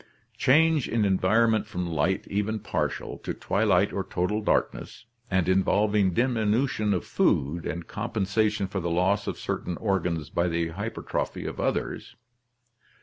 "Change in environment from light, even partial, to twilight or total darkness, and involving diminution of food, and compensa tion for the loss of certain organs by the hypertrophy of others.